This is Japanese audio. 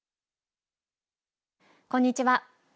こんにちは。